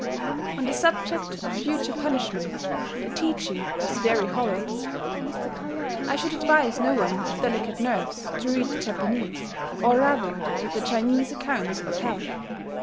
On the subject of future punishment the teaching was very horrible: I should advise no one of delicate nerves to read the Japanese, or rather the Chinese accounts of hell.